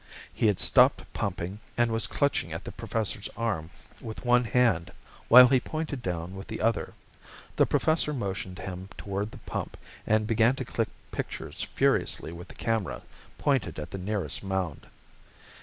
He had stopped pumping and was clutching at the Professor's arm with one hand while he pointed down with the other. The Professor motioned him toward the pump, and began to click pictures furiously with the camera pointed at the nearest mound.